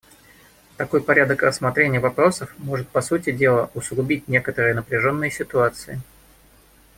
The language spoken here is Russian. Такой порядок рассмотрения вопросов может, по сути дела, усугубить некоторые напряженные ситуации.